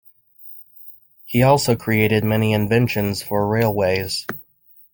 He also created many inventions for railways.